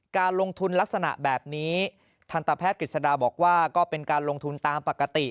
การลงทุนลักษณะแบบนี้ทันตแพทย์กฤษฎาบอกว่าก็เป็นการลงทุนตามปกติ